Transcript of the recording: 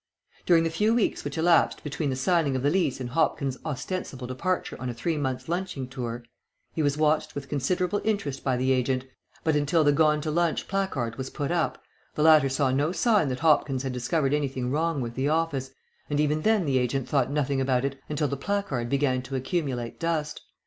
During the few weeks which elapsed between the signing of the lease and Hopkins' ostensible departure on a three months' lunching tour, he was watched with considerable interest by the agent, but, until the "Gone to Lunch" placard was put up, the latter saw no sign that Hopkins had discovered anything wrong with the office, and even then the agent thought nothing about it until the placard began to accumulate dust.